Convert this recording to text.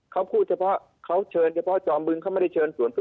เขาพูดเฉพาะเขาเชิญเฉพาะจอมฟี่ไม่เชิญส่วนฟี่